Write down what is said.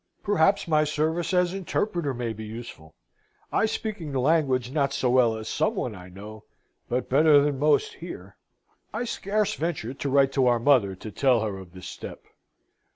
Perhaps my service as interpreter may be useful; I speaking the language not so well as some one I know, but better than most here. "I scarce venture to write to our mother to tell her of this step.